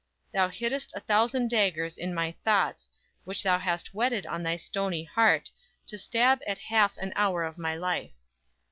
Thou hid'st a thousand daggers in thy thoughts; Which thou hast whetted on thy stony heart, To stab at half an hour of my life.